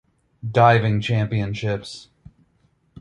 Diving Championships.